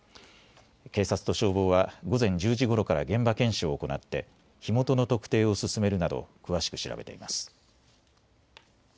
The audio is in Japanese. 警察と消防は午前１０時ごろから現場検証を行って火元の特定を進めるなど詳しく調べています。